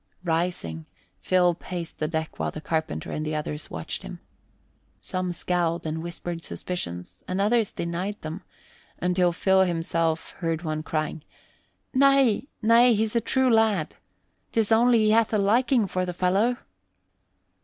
Rising, Phil paced the deck while the carpenter and the others watched him. Some scowled and whispered suspicions, and others denied them, until Phil himself heard one crying, "Nay, nay, he's a true lad. 'Tis only he hath a liking for the fellow."